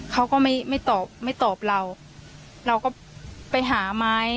เขาก็ไม่ไม่ตอบไม่ตอบเราเราก็ไปหาไม้